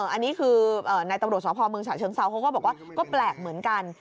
อันนี้คือในตำรวจสพเมืองฉะเชิงเซาเขาก็บอกว่าก็แปลกเหมือนกัน